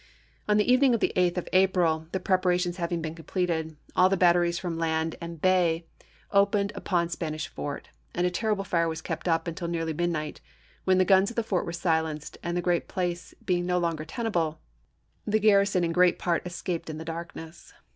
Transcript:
On the evening of the 8th of April, the prepara tions having been completed, all the batteries from land and bay opened upon Spanish Fort, and a terrible fire was kept up until nearly midnight, when the guns of the fort were silenced, and the place being no longer tenable, the garrison in great CAPTAIN TUNIS A. M. CRAVEN. MOBILE BAY 241 part escaped in the darkness.